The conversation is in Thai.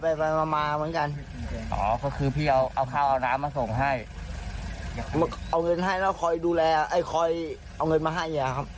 เอาเงินให้แล้วคอยดูแลคอยเอาเงินมาให้